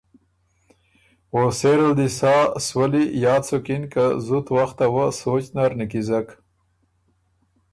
او سېره ل دی سا سولّي یاد سُکِن که زُت وخته وه سوچ نر نیکیزک۔